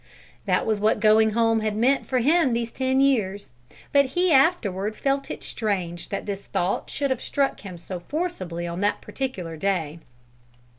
That was what going home had meant for him these ten years, but he afterward felt it strange that this thought should have struck him so forcibly on that particular day.